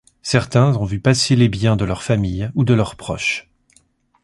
Certains ont vu passer les biens de leurs familles ou de leurs proches.